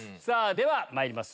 ではまいります